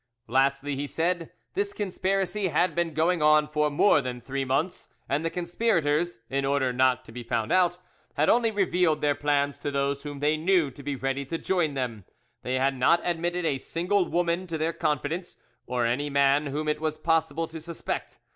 Lastly, he said, this conspiracy had been going on for more than three months, and the conspirators, in order not to be found out, had only revealed their plans to those whom they knew to be ready to join them: they had not admitted a single woman to their confidence, or any man whom it was possible to suspect.